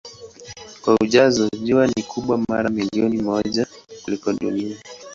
Kwa ujazo Jua ni kubwa mara milioni moja kuliko Dunia.